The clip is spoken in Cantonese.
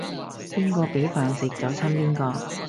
邊個畀飯食就親邊個